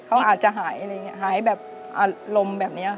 เขาอาจจะหายแบบอารมณ์แบบนี้ค่ะ